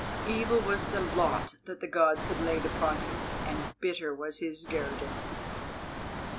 Evil was the lot that the Gods had laid upon him, and bitter was his guerdon.